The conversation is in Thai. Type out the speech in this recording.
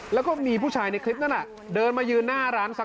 แล้วก็มีผู้ชายในคลิปนั้นเดินมายืนหน้าร้านซะ